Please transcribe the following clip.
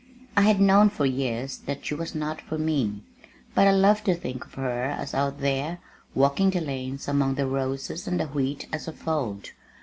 I had known for years that she was not for me, but I loved to think of her as out there walking the lanes among the roses and the wheat as of old.